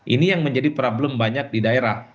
ini yang menjadi problem banyak di daerah